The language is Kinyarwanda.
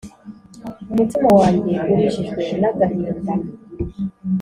umutima wanjye urijijwe n’agahinda,